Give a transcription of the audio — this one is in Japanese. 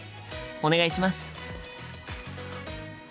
お願いします。